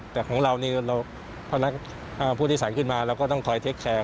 แต่ของเรานี่ผู้โดยสารขึ้นมาเราก็ต้องคอยเทคแชร์